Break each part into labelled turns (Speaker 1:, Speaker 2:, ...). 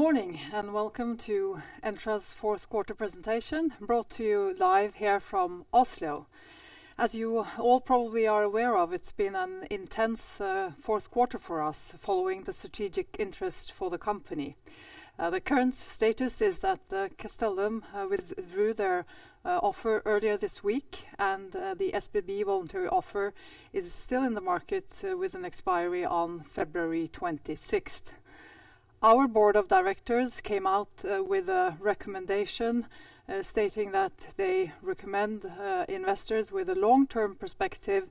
Speaker 1: Good morning, and welcome to Entra's fourth quarter presentation, brought to you live here from Oslo. As you all probably are aware of, it's been an intense fourth quarter for us, following the strategic interest for the company. The current status is that Castellum withdrew their offer earlier this week, and the SBB voluntary offer is still in the market with an expiry on February 26th. Our board of directors came out with a recommendation stating that they recommend investors with a long-term perspective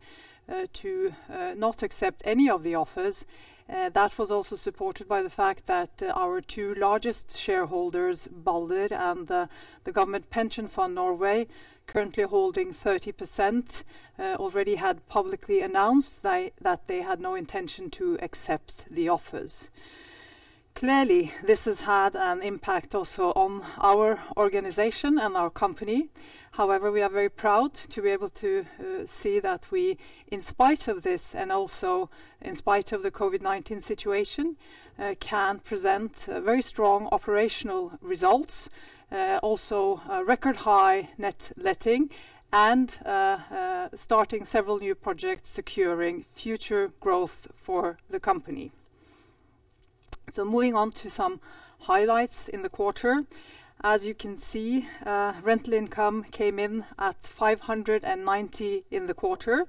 Speaker 1: to not accept any of the offers. That was also supported by the fact that our two largest shareholders, Balder and the Government Pension Fund Norway, currently holding 30%, already had publicly announced that they had no intention to accept the offers. Clearly, this has had an impact also on our organization and our company. We are very proud to be able to see that we, in spite of this, and also in spite of the COVID-19 situation, can present very strong operational results, record high net letting, and starting several new projects securing future growth for the company. Moving on to some highlights in the quarter. As you can see, rental income came in at 590 in the quarter.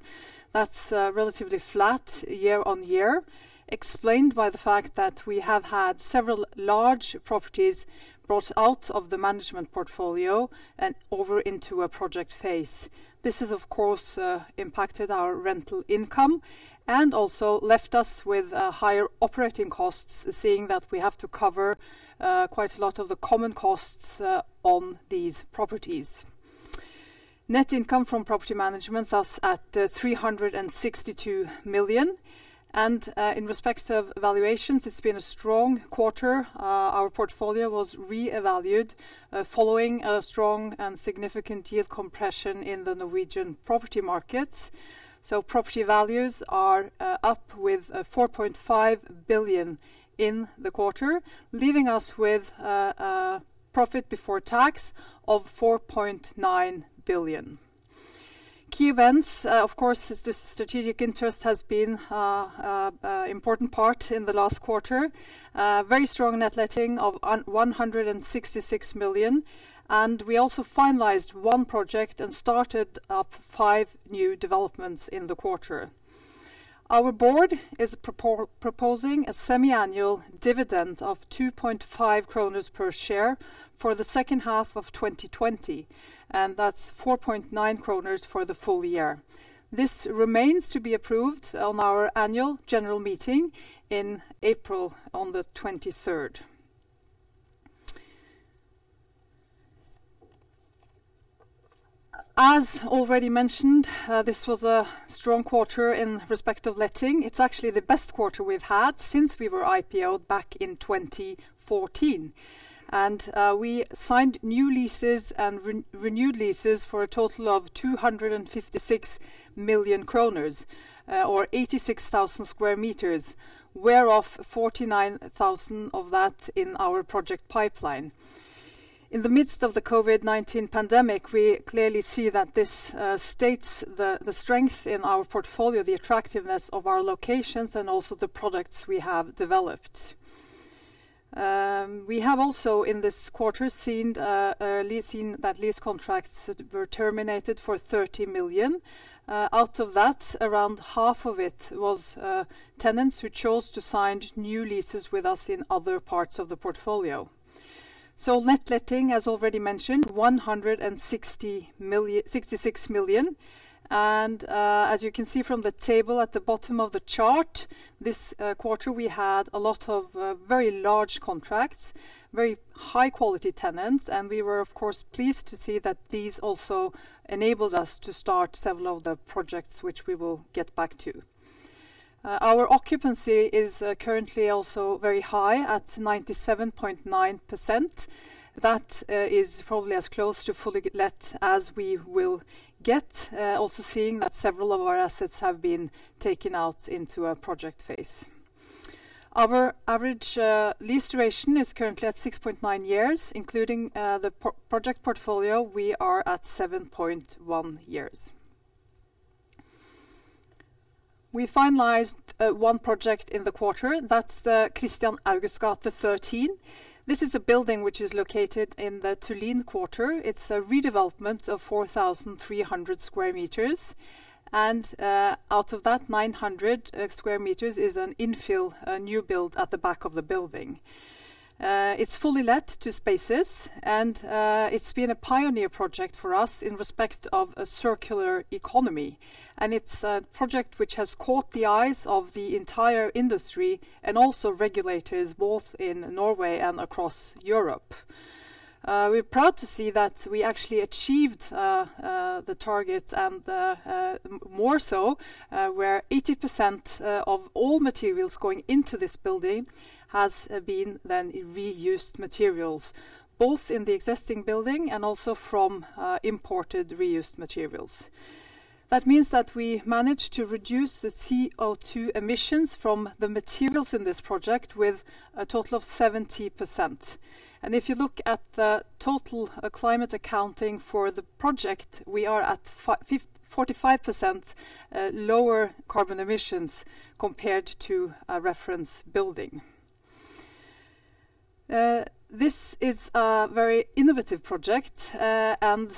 Speaker 1: That's relatively flat year-on-year, explained by the fact that we have had several large properties brought out of the management portfolio and over into a project phase. This has, of course, impacted our rental income and also left us with higher operating costs, seeing that we have to cover quite a lot of the common costs on these properties. Net income from property management was at 362 million, and in respect of valuations, it's been a strong quarter. Our portfolio was re-evaluated following a strong and significant yield compression in the Norwegian property markets. Property values are up with 4.5 billion in the quarter, leaving us with a profit before tax of 4.9 billion. Key events, of course, is this strategic interest has been an important part in the last quarter. Very strong net letting of 166 million. We also finalized one project and started up five new developments in the quarter. Our board is proposing a semi-annual dividend of 2.5 kroner per share for the second half of 2020, and that's 4.9 kroner for the full year. This remains to be approved on our annual general meeting in April on the 23rd. As already mentioned, this was a strong quarter in respect of letting. It's actually the best quarter we've had since we were IPO'd back in 2014. We signed new leases and renewed leases for a total of 256 million kroner or 86,000 sq m, whereof 49,000 of that in our project pipeline. In the midst of the COVID-19 pandemic, we clearly see that this states the strength in our portfolio, the attractiveness of our locations, and also the products we have developed. We have also, in this quarter, seen that lease contracts were terminated for 30 million. Out of that, around half of it was tenants who chose to sign new leases with us in other parts of the portfolio. Net letting, as already mentioned, 166 million. As you can see from the table at the bottom of the chart, this quarter, we had a lot of very large contracts, very high-quality tenants. We were, of course, pleased to see that these also enabled us to start several of the projects, which we will get back to. Our occupancy is currently also very high at 97.9%. That is probably as close to fully let as we will get. Seeing that several of our assets have been taken out into a project phase. Our average lease duration is currently at 6.9 years. Including the project portfolio, we are at 7.1 years. We finalized one project in the quarter. That's the Kristian Augusts gate 13. This is a building which is located in the Tullinkvartalet. It's a redevelopment of 4,300 sq m. Out of that, 900 sq m is an infill, a new build at the back of the building. It's fully let to Spaces, and it's been a pioneer project for us in respect of a circular economy. It's a project which has caught the eyes of the entire industry and also regulators, both in Norway and across Europe. We're proud to see that we actually achieved the target and more so, where 80% of all materials going into this building has been then reused materials, both in the existing building and also from imported reused materials. That means that we managed to reduce the CO2 emissions from the materials in this project with a total of 70%. If you look at the total climate accounting for the project, we are at 45% lower carbon emissions compared to a reference building. This is a very innovative project, and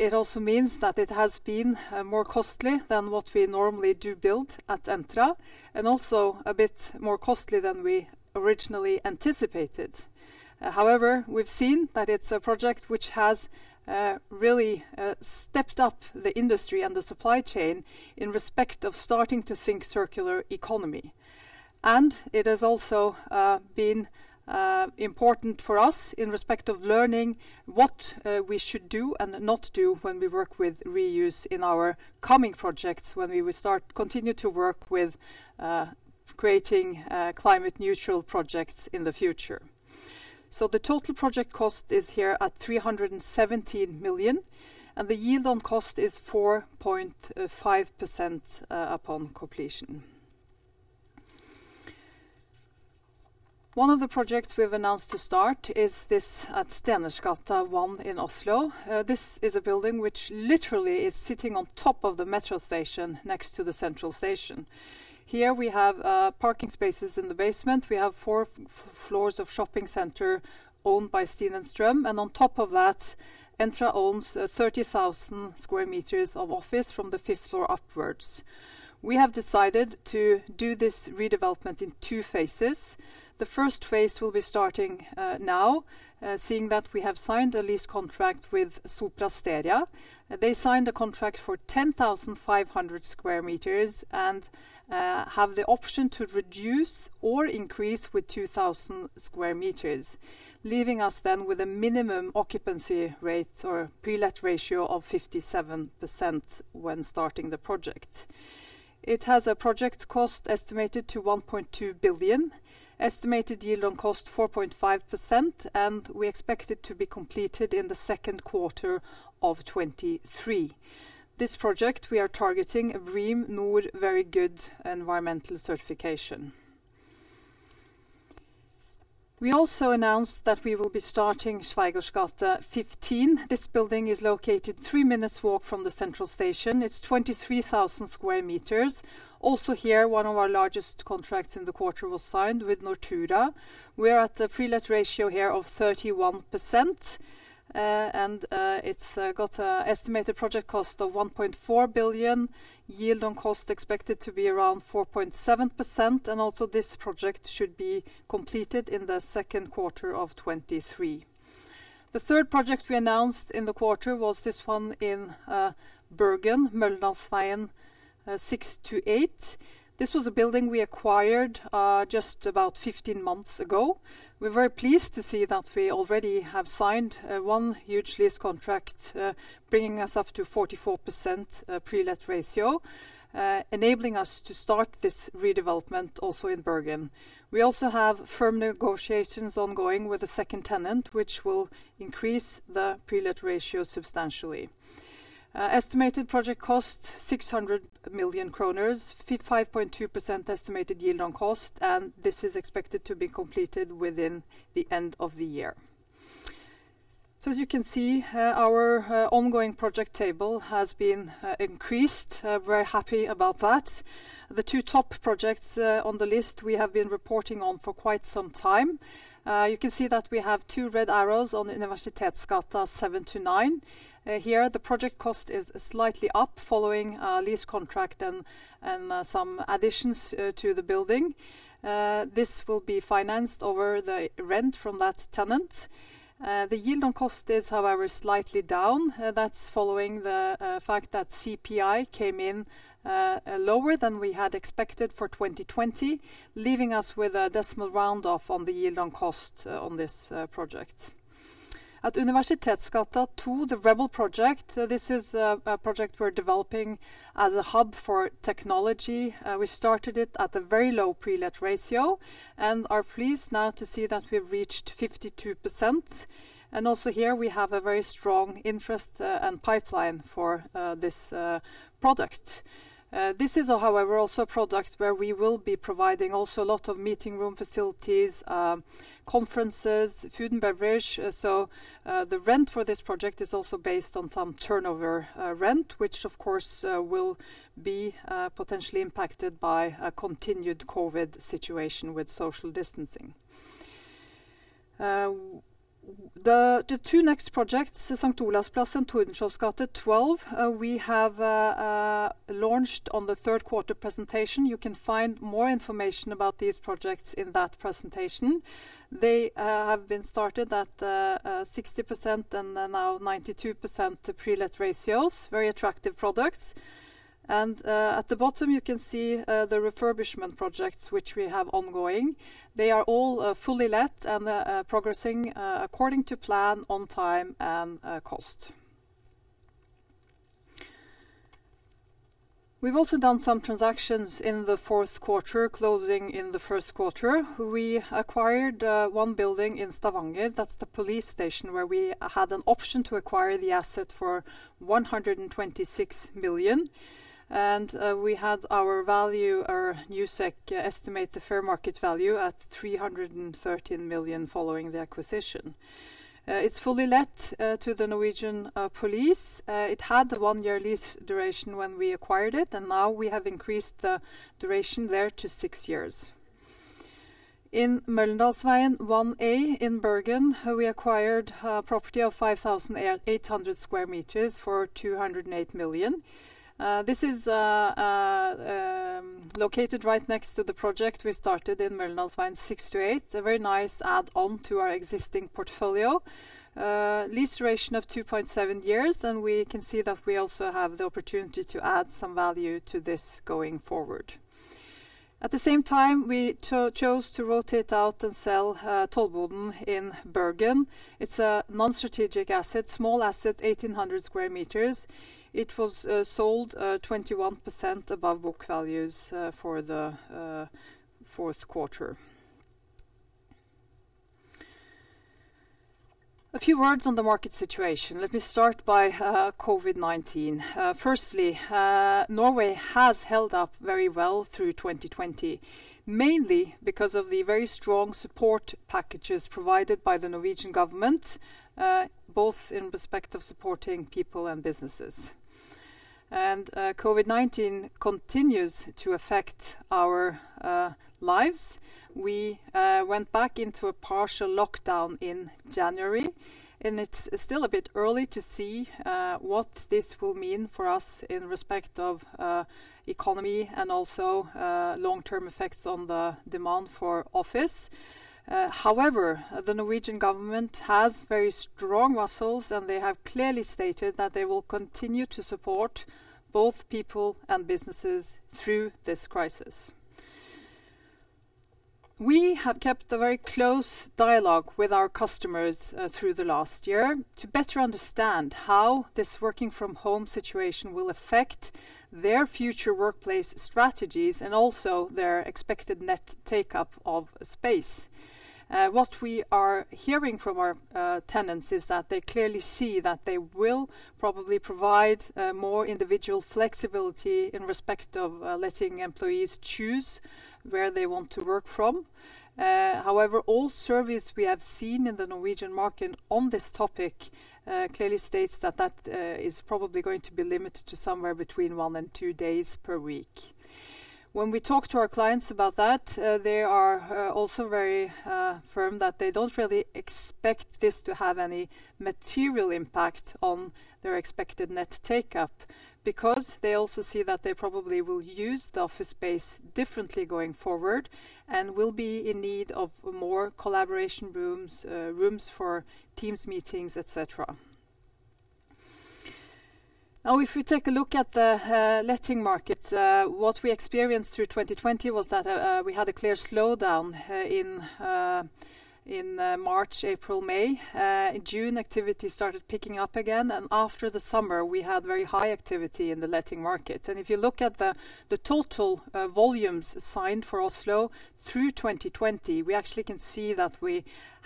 Speaker 1: it also means that it has been more costly than what we normally do build at Entra, and also a bit more costly than we originally anticipated. We've seen that it's a project which has really stepped up the industry and the supply chain in respect of starting to think circular economy. It has also been important for us in respect of learning what we should do and not do when we work with reuse in our coming projects, when we will continue to work with creating climate neutral projects in the future. The total project cost is here at 317 million, and the yield on cost is 4.5% upon completion. One of the projects we have announced to start is this at Stenersgata 1 in Oslo. This is a building which literally is sitting on top of the metro station next to the central station. Here we have parking spaces in the basement. We have four floors of shopping center owned by Steen & Strøm. On top of that, Entra owns 30,000 sq m of office from the fifth floor upwards. We have decided to do this redevelopment in two phases. The first phase will be starting now, seeing that we have signed a lease contract with Sopra Steria. They signed a contract for 10,500 sq m and have the option to reduce or increase with 2,000 sq m, leaving us then with a minimum occupancy rate or pre-let ratio of 57% when starting the project. It has a project cost estimated to 1.2 billion, estimated yield on cost 4.5%. We expect it to be completed in the second quarter of 2023. This project, we are targeting BREEAM-NOR very good environmental certification. We also announced that we will be starting Schweigaards gate 15. This building is located three minutes walk from the central station. It's 23,000 sq m. Also here, one of our largest contracts in the quarter was signed with Nortura. We are at a pre-let ratio here of 31%. It's got an estimated project cost of 1.4 billion, yield on cost expected to be around 4.7%. Also this project should be completed in the second quarter of 2023. The third project we announced in the quarter was this one in Bergen, Møllendalsveien 6-8. This was a building we acquired just about 15 months ago. We are very pleased to see that we already have signed one huge lease contract, bringing us up to 44% pre-let ratio, enabling us to start this redevelopment also in Bergen. We also have firm negotiations ongoing with a second tenant, which will increase the pre-let ratio substantially. Estimated project cost, 600 million kroner, 5.2% estimated yield on cost. This is expected to be completed within the end of the year. As you can see, our ongoing project table has been increased. Very happy about that. The two top projects on the list we have been reporting on for quite some time. You can see that we have two red arrows on the Universitetsgata 7-9. Here, the project cost is slightly up following a lease contract and some additions to the building. This will be financed over the rent from that tenant. The yield on cost is, however, slightly down. That's following the fact that CPI came in lower than we had expected for 2020, leaving us with a decimal round off on the yield on cost on this project. At Universitetsgata 2, the Rebel project, this is a project we are developing as a hub for technology. We started it at a very low pre-let ratio, and are pleased now to see that we have reached 52%. Also here, we have a very strong interest and pipeline for this product. This is, however, also a product where we will be providing also a lot of meeting room facilities, conferences, food and beverage. The rent for this project is also based on some turnover rent, which of course will be potentially impacted by a continued COVID situation with social distancing. The two next projects, St. Olavs plass and Tordenskjoldsgate 12, we have launched on the third quarter presentation. You can find more information about these projects in that presentation. They have been started at 60% and now 92% pre-let ratios. Very attractive products. At the bottom, you can see the refurbishment projects which we have ongoing. They are all fully let and progressing according to plan on time and cost. We've also done some transactions in the fourth quarter closing in the first quarter. We acquired one building in Stavanger. That's the police station where we had an option to acquire the asset for 126 million. We had our value, our Newsec estimate the fair market value at 313 million following the acquisition. It's fully let to the Norwegian police. It had a one-year lease duration when we acquired it, now we have increased the duration there to six years. In Møllendalsveien 1A in Bergen, we acquired a property of 5,800 sq m for NOK 208 million. This is located right next to the project we started in Møllendalsveien 6-8. A very nice add-on to our existing portfolio. Lease duration of 2.7 years. We can see that we also have the opportunity to add some value to this going forward. At the same time, we chose to rotate out and sell Tollboden in Bergen. It's a non-strategic asset. Small asset, 1,800 sq m. It was sold 21% above book values for the fourth quarter. A few words on the market situation. Let me start by COVID-19. Firstly, Norway has held up very well through 2020, mainly because of the very strong support packages provided by the Norwegian government, both in respect of supporting people and businesses. COVID-19 continues to affect our lives. We went back into a partial lockdown in January. It's still a bit early to see what this will mean for us in respect of economy and also long-term effects on the demand for office. The Norwegian government has very strong muscles, and they have clearly stated that they will continue to support both people and businesses through this crisis. We have kept a very close dialogue with our customers through the last year to better understand how this working from home situation will affect their future workplace strategies and also their expected net take-up of space. What we are hearing from our tenants is that they clearly see that they will probably provide more individual flexibility in respect of letting employees choose where they want to work from. All surveys we have seen in the Norwegian market on this topic clearly states that is probably going to be limited to somewhere between one and two days per week. When we talk to our clients about that, they are also very firm that they don't really expect this to have any material impact on their expected net take-up because they also see that they probably will use the office space differently going forward and will be in need of more collaboration rooms for Teams meetings, et cetera. Now, if we take a look at the letting markets, what we experienced through 2020 was that we had a clear slowdown in March, April, May. In June, activity started picking up again, and after the summer, we had very high activity in the letting market. If you look at the total volumes signed for Oslo through 2020, we actually can see that we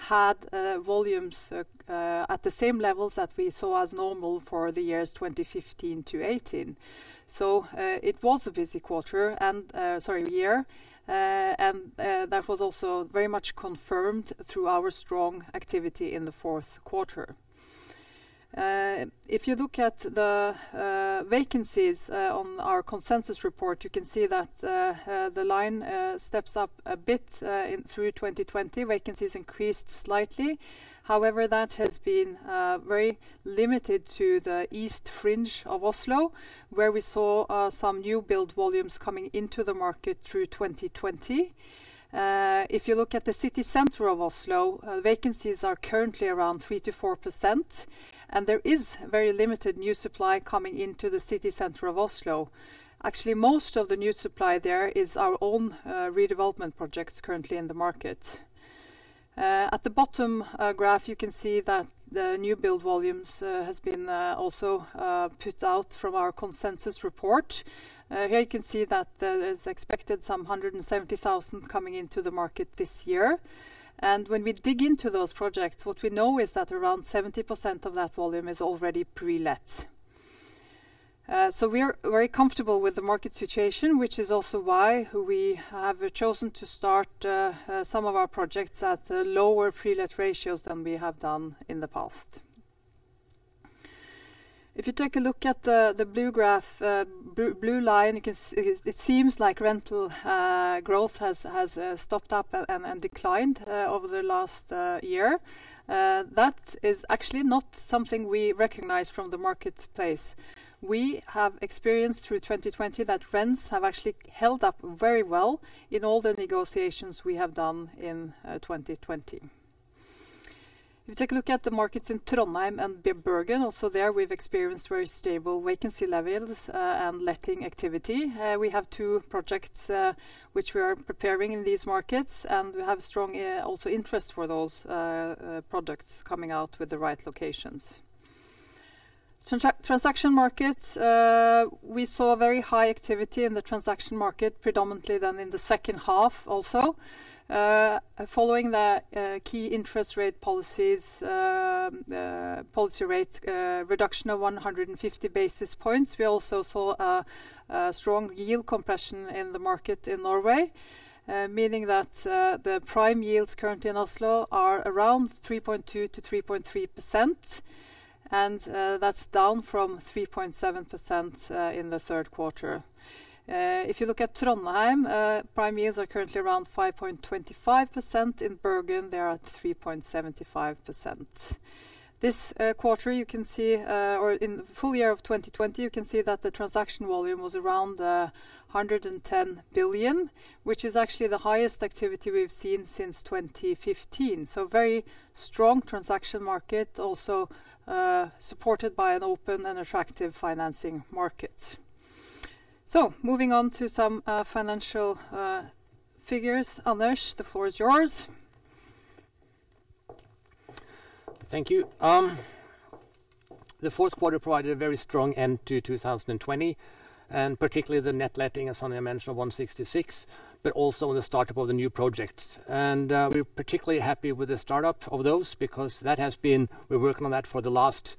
Speaker 1: had volumes at the same levels that we saw as normal for the years 2015 to 2018. It was a busy year, and that was also very much confirmed through our strong activity in the fourth quarter. If you look at the vacancies on our consensus report, you can see that the line steps up a bit through 2020. Vacancies increased slightly. However, that has been very limited to the east fringe of Oslo, where we saw some new build volumes coming into the market through 2020. If you look at the city center of Oslo, vacancies are currently around 3%-4%, and there is very limited new supply coming into the city center of Oslo. Actually, most of the new supply there is our own redevelopment projects currently in the market. At the bottom graph, you can see that the new build volumes has been also put out from our consensus report. Here you can see that there is expected some 170,000 coming into the market this year. When we dig into those projects, what we know is that around 70% of that volume is already pre-let. We are very comfortable with the market situation, which is also why we have chosen to start some of our projects at lower pre-let ratios than we have done in the past. If you take a look at the blue line, it seems like rental growth has stopped up and declined over the last year. That is actually not something we recognize from the marketplace. We have experienced through 2020 that rents have actually held up very well in all the negotiations we have done in 2020. If you take a look at the markets in Trondheim and Bergen, also there we've experienced very stable vacancy levels and letting activity. We have two projects which we are preparing in these markets, and we have strong also interest for those projects coming out with the right locations. Transaction markets. We saw very high activity in the transaction market, predominantly in the second half also. Following the key interest rate policies, policy rate reduction of 150 basis points. We also saw a strong yield compression in the market in Norway, meaning that the prime yields currently in Oslo are around 3.2%-3.3%, and that's down from 3.7% in the third quarter. If you look at Trondheim, prime yields are currently around 5.25%. In Bergen, they are at 3.75%. This quarter, or in full year of 2020, you can see that the transaction volume was around 110 billion, which is actually the highest activity we've seen since 2015. Very strong transaction market, also supported by an open and attractive financing market. Moving on to some financial figures. Anders, the floor is yours.
Speaker 2: Thank you. The fourth quarter provided a very strong end to 2020, particularly the net letting, as Sonja mentioned, of 166, but also the start-up of the new projects. We are particularly happy with the start-up of those, because we've worked on that for the last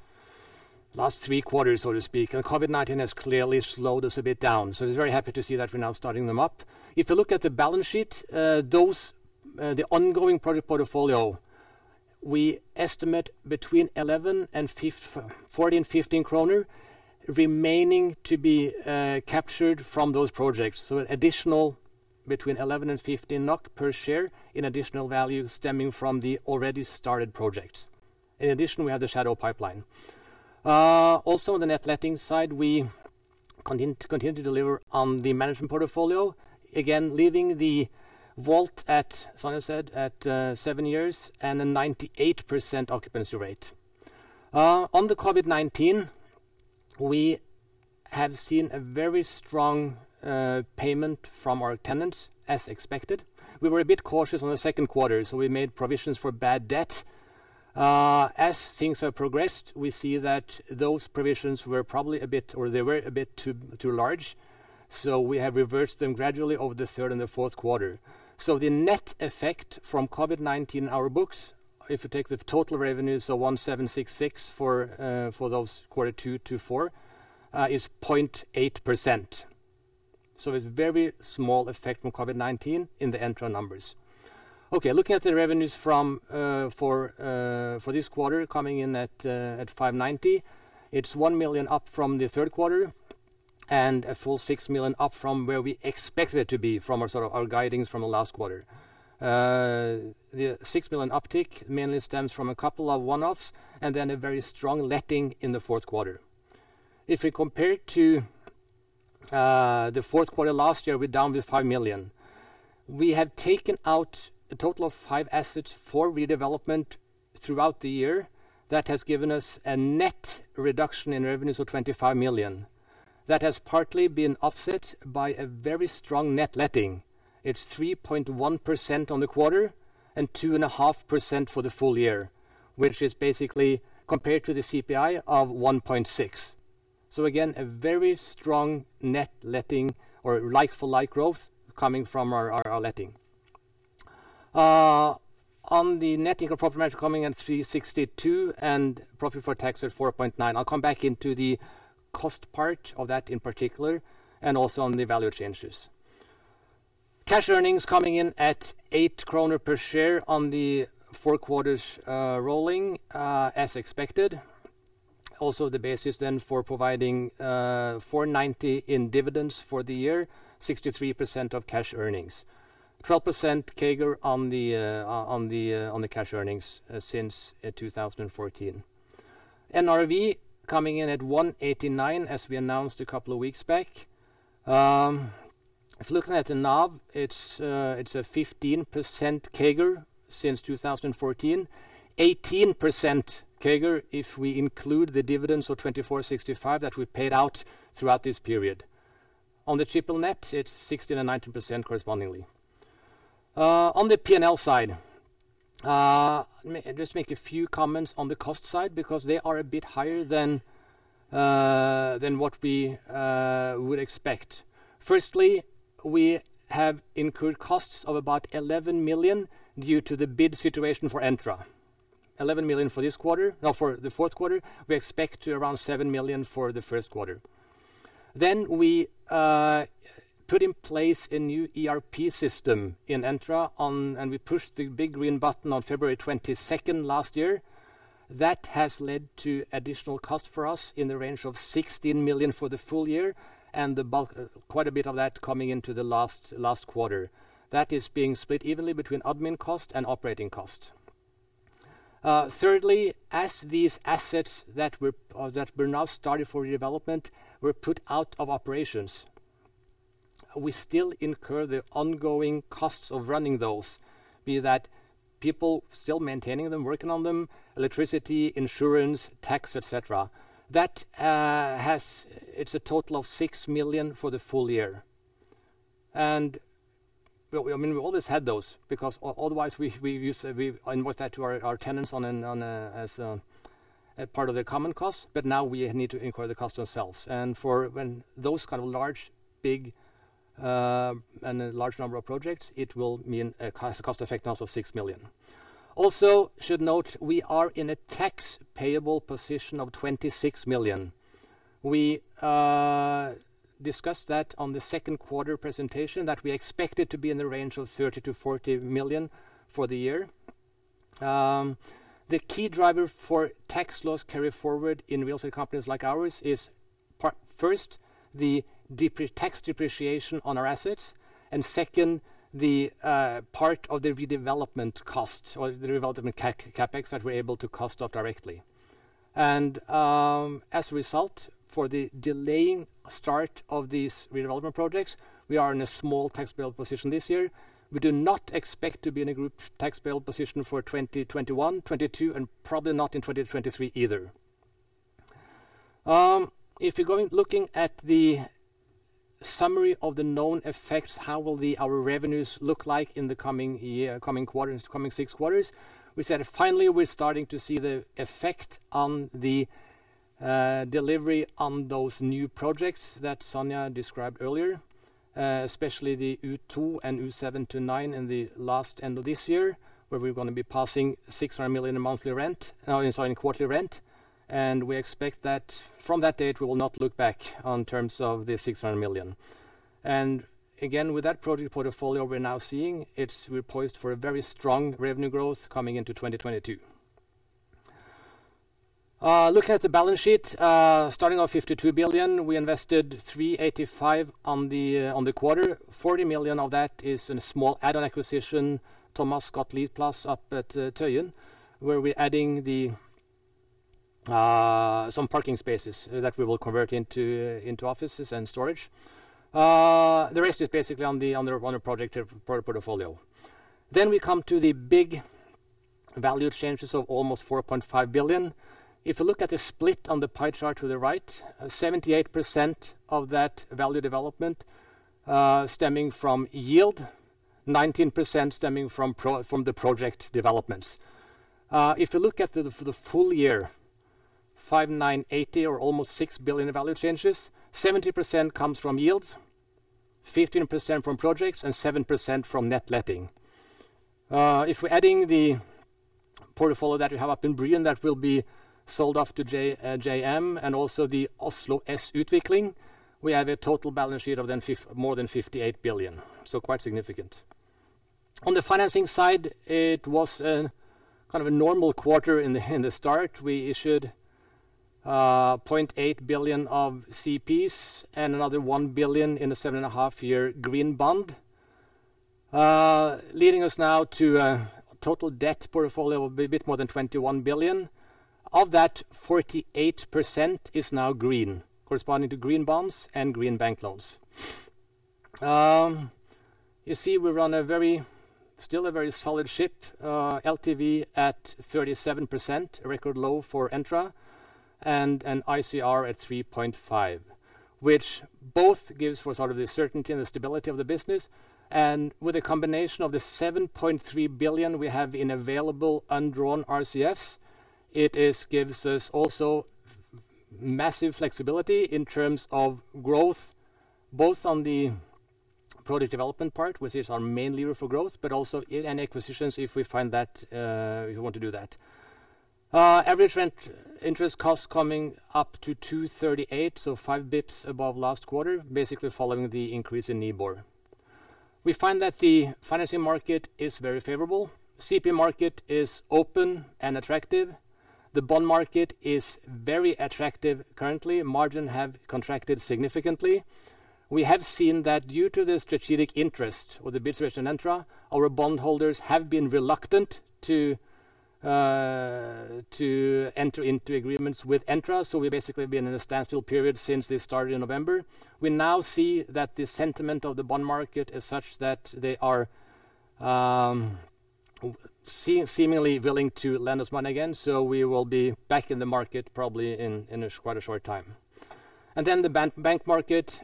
Speaker 2: three quarters, so to speak, and COVID-19 has clearly slowed us a bit down. It's very happy to see that we're now starting them up. If you look at the balance sheet, the ongoing project portfolio, we estimate between 11 and 15 kroner remaining to be captured from those projects. Additional between 11 and 15 NOK per share in additional value stemming from the already started projects. In addition, we have the shadow pipeline. Also on the net letting side, we continue to deliver on the management portfolio. Leaving the vault, as Sonja said, at seven years and a 98% occupancy rate. On the COVID-19, we have seen a very strong payment from our tenants, as expected. We were a bit cautious on the second quarter, so we made provisions for bad debt. As things have progressed, we see that those provisions were a bit too large, so we have reversed them gradually over the third and the fourth quarter. The net effect from COVID-19 in our books, if you take the total revenues of 1,766 for those quarter two to four, is 0.8%. It's very small effect from COVID-19 in the Entra numbers. Okay, looking at the revenues for this quarter, coming in at 590. It's 1 million up from the third quarter, a full 6 million up from where we expected it to be from our guidings from the last quarter. The 6 million uptick mainly stems from a couple of one-offs, and then a very strong net letting in the fourth quarter. If we compare it to the fourth quarter last year, we're down with 5 million. We have taken out a total of five assets for redevelopment throughout the year. That has given us a net reduction in revenues of 25 million. That has partly been offset by a very strong net letting. It's 3.1% on the quarter, and 2.5% for the full year, which is basically compared to the CPI of 1.6%. Again, a very strong net letting or like-for-like growth coming from our letting. On the net income from property management coming in at 362 million, and profit for tax at 4.9 million. I'll come back into the cost part of that in particular, and also on the value changes. Cash earnings coming in at 8 kroner per share on the four quarters rolling, as expected. Also, the basis then for providing 490 in dividends for the year, 63% of cash earnings. 12% CAGR on the cash earnings since 2014. NRV coming in at 189, as we announced a couple of weeks back. If looking at the NAV, it's a 15% CAGR since 2014. 18% CAGR if we include the dividends of 24.65 that we paid out throughout this period. On the triple net, it's 16% and 19% correspondingly. On the P&L side. Let me just make a few comments on the cost side, because they are a bit higher than what we would expect. Firstly, we have incurred costs of about 11 million due to the bid situation for Entra. 11 million for the fourth quarter. We expect around 7 million for the first quarter. We put in place a new ERP system in Entra, and we pushed the big green button on February 22nd last year. That has led to additional cost for us in the range of 16 million for the full year, and quite a bit of that coming into the last quarter. That is being split evenly between admin cost and operating cost. Thirdly, as these assets that were now started for redevelopment were put out of operations, we still incur the ongoing costs of running those. Be that people still maintaining them, working on them, electricity, insurance, tax, et cetera. It's a total of 6 million for the full year. We always had those, because otherwise we invoice that to our tenants as part of their common costs. Now we need to incur the cost ourselves. For those kind of large, big, and a large number of projects, it will mean a cost effect now of 6 million. Also should note, we are in a tax payable position of 26 million. We discussed that on the second quarter presentation, that we expect it to be in the range of 30 million-40 million for the year. The key driver for tax loss carry forward in real estate companies like ours is, first, the tax depreciation on our assets, and second, the part of the redevelopment costs or the redevelopment CapEx that we're able to cost off directly. As a result, for the delaying start of these redevelopment projects, we are in a small tax bill position this year. We do not expect to be in a group tax bill position for 2021, 2022, and probably not in 2023 either. If you're looking at the summary of the known effects, how will our revenues look like in the coming year, coming quarters, coming six quarters? We said finally, we're starting to see the effect on the delivery on those new projects that Sonja described earlier, especially the U2 and U7 to 9 in the last end of this year, where we're going to be passing 600 million a monthly rent. No, sorry, in quarterly rent. We expect that from that date, we will not look back on terms of the 600 million. Again, with that project portfolio we're now seeing, we're poised for a very strong revenue growth coming into 2022. Looking at the balance sheet, starting off 52 billion, we invested 385 on the quarter. 40 million of that is in a small add-on acquisition, Tøyen-porteføljen up at Tøyen, where we're adding some parking spaces that we will convert into offices and storage. The rest is basically on the project portfolio. We come to the big value changes of almost 4.5 billion. If you look at the split on the pie chart to the right, 78% of that value development stemming from yield, 19% stemming from the project developments. If you look at for the full year, 5,980 or almost 6 billion value changes, 70% comes from yields, 15% from projects, and 7% from net letting. If we're adding the portfolio that we have up in Bryn that will be sold off to JM and also the Oslo S Utvikling, we have a total balance sheet of more than 58 billion, so quite significant. On the financing side, it was a normal quarter in the start. We issued 0.8 billion of CPs and another 1 billion in a 7.5-year green bond. Leading us now to a total debt portfolio of a bit more than 21 billion. Of that, 48% is now green, corresponding to green bonds and green bank loans. You see we run still a very solid ship, LTV at 37%, a record low for Entra, and an ICR at 3.5. Which both gives for the certainty and the stability of the business. With a combination of the 7.3 billion we have in available undrawn RCFs, it gives us also massive flexibility in terms of growth, both on the product development part, which is our main lever for growth, but also in acquisitions if we want to do that. Average rent interest cost coming up to 2.38 %, so 5 basis points above last quarter, basically following the increase in NIBOR. We find that the financing market is very favorable. CP market is open and attractive. The bond market is very attractive currently. Margins have contracted significantly. We have seen that due to the strategic interest or the bid situation in Entra, our bond holders have been reluctant to enter into agreements with Entra. We basically have been in a standstill period since they started in November. We now see that the sentiment of the bond market is such that they are seemingly willing to lend us money again. We will be back in the market probably in quite a short time. The bank market,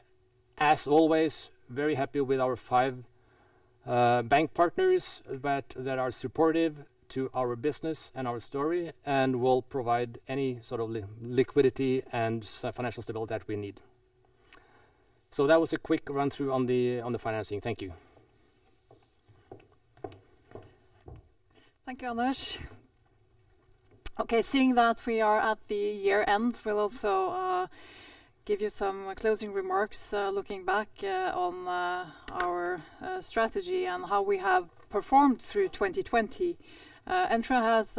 Speaker 2: as always, very happy with our five bank partners that are supportive to our business and our story and will provide any sort of liquidity and financial stability that we need. That was a quick run through on the financing. Thank you.
Speaker 1: Thank you, Anders. Seeing that we are at the year-end, we'll also give you some closing remarks looking back on our strategy and how we have performed through 2020. Entra has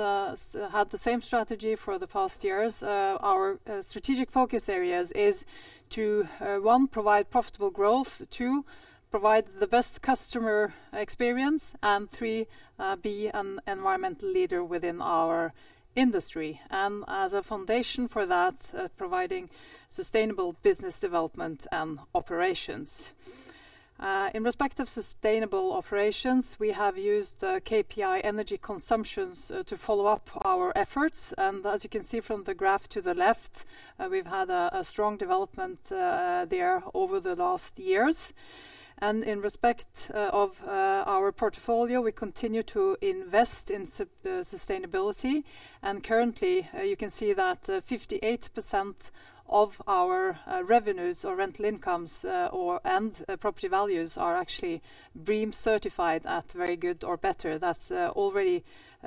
Speaker 1: had the same strategy for the past years. Our strategic focus areas is to, one, provide profitable growth, two, provide the best customer experience, and three, be an environmental leader within our industry. As a foundation for that, providing sustainable business development and operations. In respect of sustainable operations, we have used KPI energy consumptions to follow up our efforts. As you can see from the graph to the left, we've had a strong development there over the last years. In respect of our portfolio, we continue to invest in sustainability. Currently, you can see that 58% of our revenues or rental incomes, and property values are actually BREEAM-certified at very good or better. That's already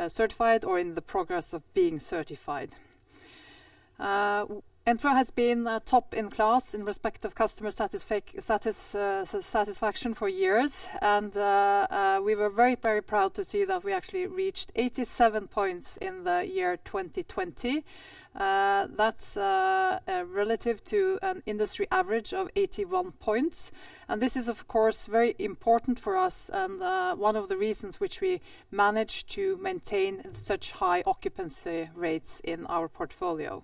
Speaker 1: certified or in the progress of being certified. Entra has been top in class in respect of customer satisfaction for years. We were very proud to see that we actually reached 87 points in the year 2020. That's relative to an industry average of 81 points. This is of course very important for us and one of the reasons which we managed to maintain such high occupancy rates in our portfolio.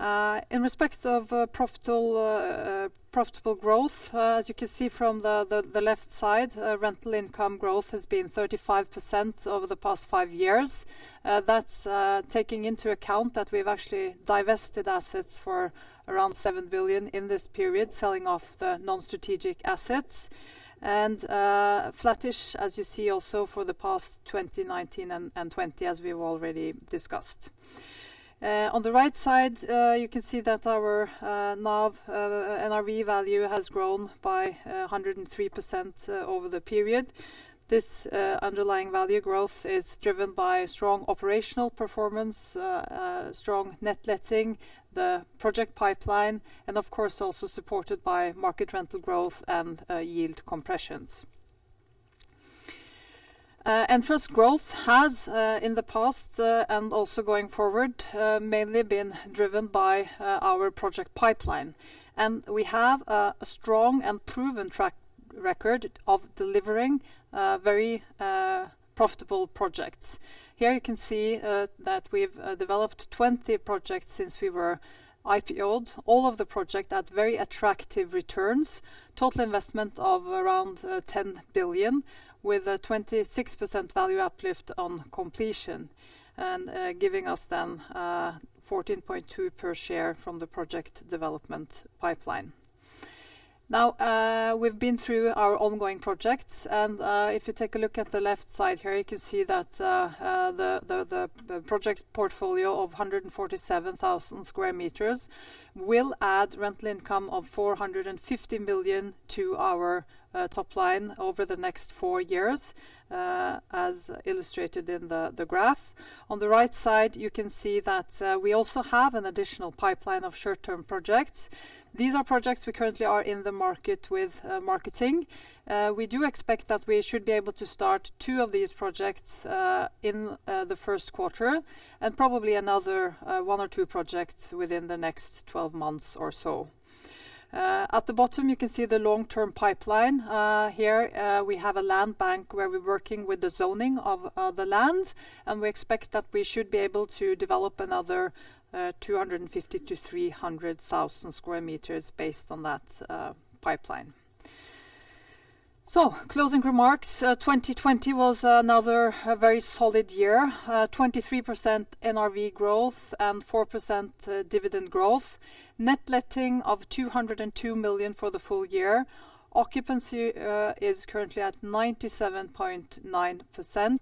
Speaker 1: In respect of profitable growth, as you can see from the left side, rental income growth has been 35% over the past five years. That's taking into account that we've actually divested assets for around seven billion in this period, selling off the non-strategic assets. Flattish, as you see also for the past 2019 and 2020, as we've already discussed. On the right side, you can see that our NAV, NRV value has grown by 103% over the period. This underlying value growth is driven by strong operational performance, strong net letting, the project pipeline, and of course also supported by market rental growth and yield compressions. Entra's growth has, in the past and also going forward, mainly been driven by our project pipeline. We have a strong and proven track record of delivering very profitable projects. Here you can see that we've developed 20 projects since we were IPO'd. All of the projects at very attractive returns. Total investment of around 10 billion, with a 26% value uplift on completion, and giving us then 14.2 per share from the project development pipeline. Now, we've been through our ongoing projects, if you take a look at the left side here, you can see that the project portfolio of 147,000 sq m will add rental income of 450 million to our top line over the next four years, as illustrated in the graph. On the right side, you can see that we also have an additional pipeline of short-term projects. These are projects we currently are in the market with marketing. We do expect that we should be able to start two of these projects in the first quarter, and probably another one or two projects within the next 12 months or so. At the bottom, you can see the long-term pipeline. Here we have a land bank where we're working with the zoning of the land, and we expect that we should be able to develop another 250 to 300,000 sq m based on that pipeline. Closing remarks. 2020 was another very solid year. 23% NRV growth and 4% dividend growth. Net letting of 202 million for the full year. Occupancy is currently at 97.9%.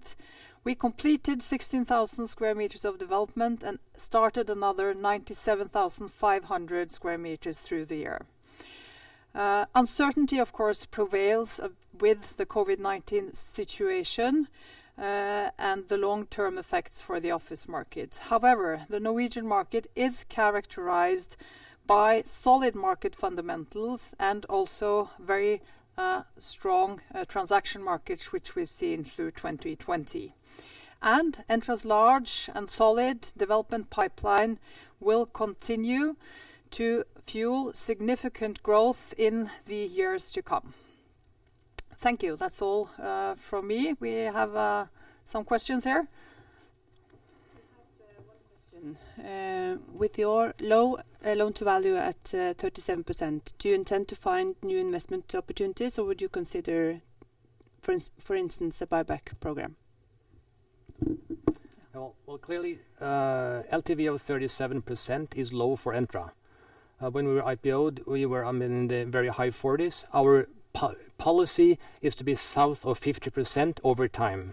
Speaker 1: We completed 16,000 sq m of development and started another 97,500 sq m through the year. Uncertainty, of course, prevails with the COVID-19 situation, and the long-term effects for the office markets. However, the Norwegian market is characterized by solid market fundamentals and also very strong transaction markets, which we've seen through 2020. Entra's large and solid development pipeline will continue to fuel significant growth in the years to come. Thank you. That's all from me. We have some questions here.
Speaker 3: We have one question. With your low loan to value at 37%, do you intend to find new investment opportunities, or would you consider, for instance, a buyback program?
Speaker 2: Well, clearly, LTV of 37% is low for Entra. When we were IPO'd, we were in the very high 40s. Our policy is to be south of 50% over time.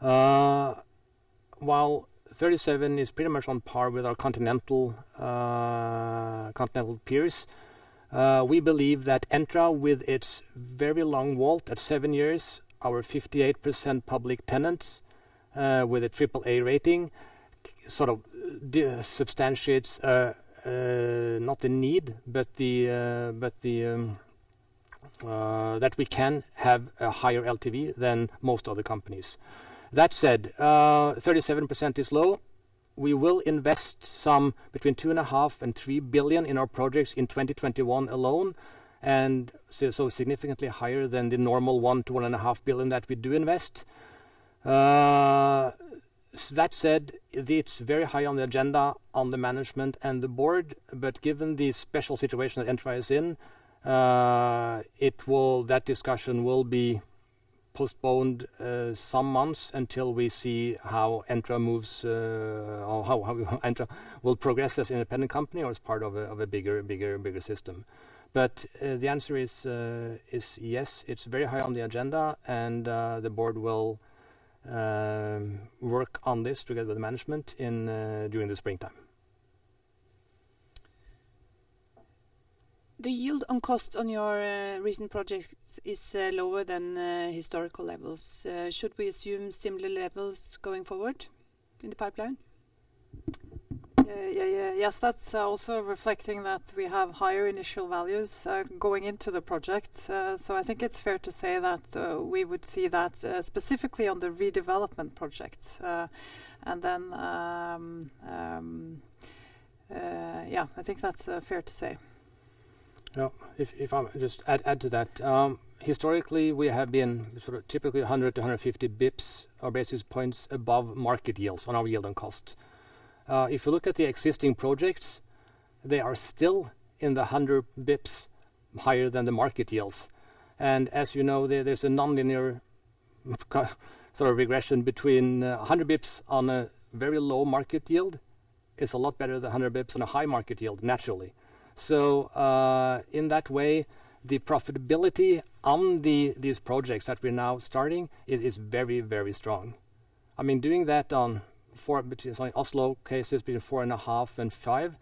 Speaker 2: While 37 is pretty much on par with our continental peers, we believe that Entra, with its very long WAULT at seven years, our 58% public tenants, with a Triple-A rating, substantiates, not the need, but that we can have a higher LTV than most other companies. That said, 37% is low. We will invest some, between two and a half billion and three billion in our projects in 2021 alone, significantly higher than the normal one billion to one and a half billion that we do invest. That said, it's very high on the agenda on the management and the board. Given the special situation that Entra is in, that discussion will be postponed some months until we see how Entra will progress as an independent company or as part of a bigger system. The answer is yes, it's very high on the agenda, and the board will work on this together with management during the springtime.
Speaker 3: The yield on cost on your recent projects is lower than historical levels. Should we assume similar levels going forward in the pipeline?
Speaker 1: Yes. That's also reflecting that we have higher initial values going into the project. I think it's fair to say that we would see that specifically on the redevelopment projects. I think that's fair to say.
Speaker 2: If I may just add to that. Historically, we have been typically 100-150 basis points above market yields on our yield on cost. If you look at the existing projects, they are still in the 100 basis points higher than the market yields. As you know, there's a nonlinear regression between 100 basis points on a very low market yield is a lot better than 100 basis points on a high market yield, naturally. In that way, the profitability on these projects that we're now starting is very strong. Doing that on 4 between Oslo cases between 4.5-5,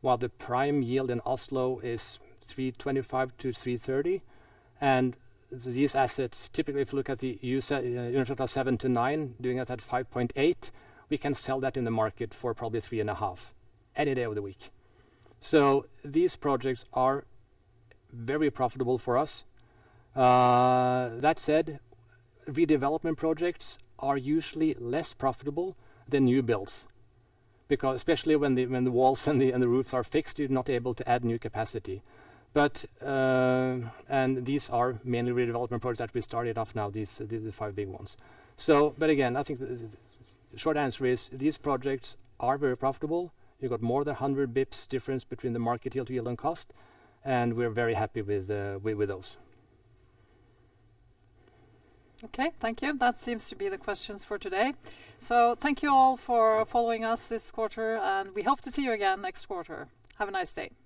Speaker 2: while the prime yield in Oslo is 3.25-3.30, these assets, typically, if you look at the user, 7-9, doing it at 5.8, we can sell that in the market for probably 3.5 any day of the week. These projects are very profitable for us. That said, redevelopment projects are usually less profitable than new builds, especially when the walls and the roofs are fixed, you're not able to add new capacity. These are mainly redevelopment projects that we started off now, these are the five big ones. Again, I think the short answer is these projects are very profitable. You've got more than 100 basis points difference between the market yield to yield on cost, and we're very happy with those.
Speaker 1: Okay. Thank you. That seems to be the questions for today. Thank you all for following us this quarter, and we hope to see you again next quarter. Have a nice day.